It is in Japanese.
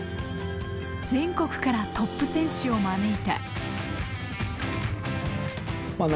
全国からトップ選手を招いた。